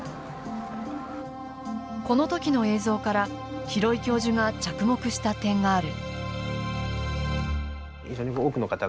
この時の映像から廣井教授が着目した点がある。